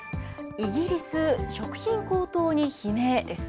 イギリス、食品高騰に悲鳴です。